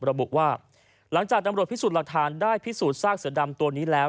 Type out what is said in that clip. ระบุว่าหลังจากตำรวจพิสูจน์หลักฐานได้พิสูจนซากเสือดำตัวนี้แล้ว